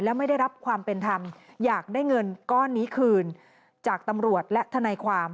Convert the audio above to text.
และไม่ได้รับความเป็นธรรมอยากได้เงินก้อนนี้คืนจากตำรวจและทนายความ